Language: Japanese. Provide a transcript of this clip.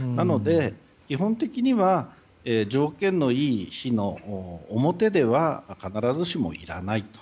なので、基本的には条件のいい日の表では必ずしもいらないと。